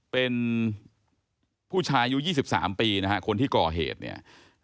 เป็นผู้ชายอายุ๒๓ปีนะฮะคนที่ก่อเหตุเนี่ย